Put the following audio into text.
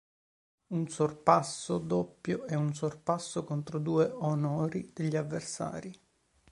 Un sorpasso doppio è un sorpasso contro due onori degli avversari.